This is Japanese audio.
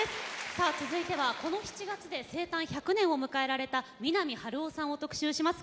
さあ続いてはこの７月で生誕１００年を迎えられた三波春夫さんを特集します。